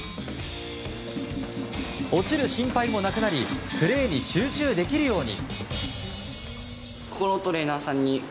落ちる心配もなくなりプレーに集中できるように。